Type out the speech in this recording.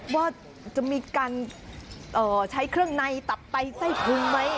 ว่าจะมีการใช้เครื่องในตับไตไส้พุงไหม